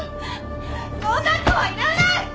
そんな子はいらない！